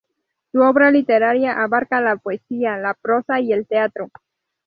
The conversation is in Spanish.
Su obra literaria abarca la poesía, la prosa y el teatro.